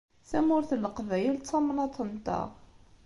Tamurt n Leqbayel d tamnaḍt-nteɣ.